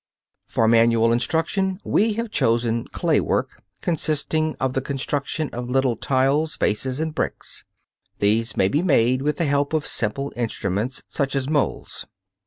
For manual instruction we have chosen clay work, consisting of the construction of little tiles, vases and bricks. These may be made with the help of simple instruments, such as molds.